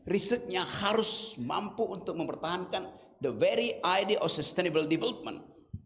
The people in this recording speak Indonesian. risetnya harus mampu untuk mempertahankan the very id of sustainable development